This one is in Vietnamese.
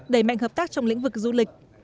đẩy mạnh hợp tác trong lĩnh vực du lịch